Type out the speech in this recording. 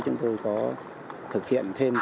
chúng tôi có thực hiện thêm